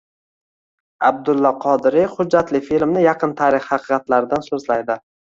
«Abdulla Qodiriy» hujjatli filmi yaqin tarix haqiqatlaridan so‘zlaydi